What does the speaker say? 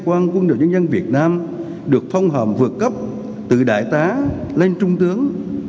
sĩ quan quân đội nhân dân việt nam được phong hòm vượt cấp từ đại tá lên trung tướng